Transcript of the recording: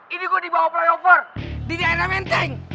ini gua di bawah flyover di daerah menteng